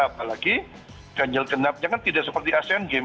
apalagi ganjil genapnya kan tidak seperti asean games